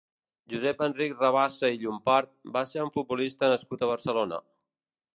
Josep Enric Rabassa i Llompart va ser un futbolista nascut a Barcelona.